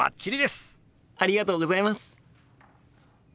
ありがとうございます！